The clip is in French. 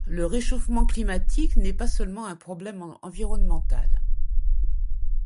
Le réchauffement climatique n’est pas seulement un problème environnemental.